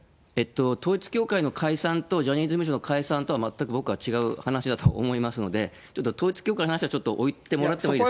統一教会の解散とジャニーズ事務所の解散とは全く僕は違う話だと思いますので、ちょっと統一教会の話はちょっと置いてもらってもいいですか？